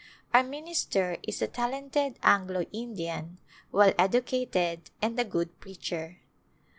Our minister is a talented Anglo Indian, well educated and a good preacher.